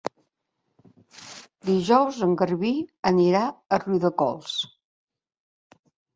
Dijous en Garbí anirà a Riudecols.